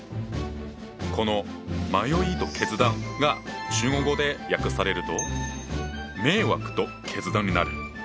この「迷いと決断」が中国語で訳されると「迷惑と決断」になる。